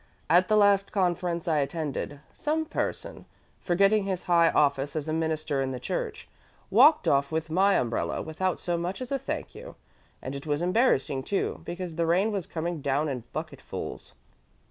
At the last Conference I attended, some person, forgetting his high office as a minister in the Church, walked off with my umbrella without so much as a thank you; and it was embarrassing too, because the rain was coming down in bucketfuls."